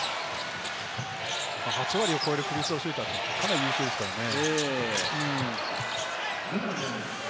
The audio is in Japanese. ８割を超えるフリーシューター、かなり優秀ですよね。